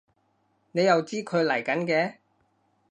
你又知佢嚟緊嘅？